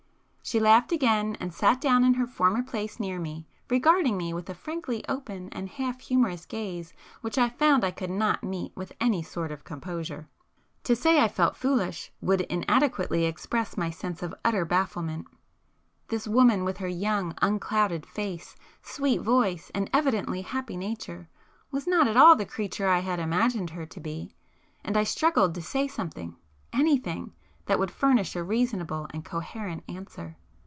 [p 228]She laughed again and sat down in her former place near me, regarding me with a frankly open and half humorous gaze which I found I could not meet with any sort of composure. To say I felt foolish, would inadequately express my sense of utter bafflement. This woman with her young unclouded face, sweet voice and evidently happy nature, was not at all the creature I had imagined her to be,—and I struggled to say something,—anything,—that would furnish a reasonable and coherent answer.